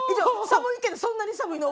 寒いけどそんなに寒いの？